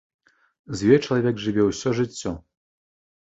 З ёй чалавек жыве ўсё жыццё.